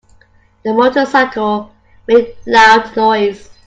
The motorcycle made loud noise.